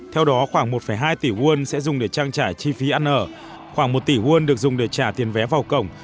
theo đó khoảng một hai tỷ won sẽ dùng để trang trải chi phí ăn ở khoảng một tỷ won được dùng để trả tiền vé vào cổng